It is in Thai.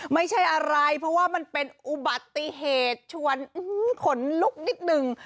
ไม่ใช่อะไรเพราะว่ามันเป็นอุบัติเหตุชวนขนลุกนิดนึง